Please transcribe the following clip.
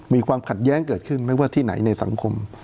มีความขัดแย้งเกิดขึ้นไม่ว่าที่ไหนในสังคม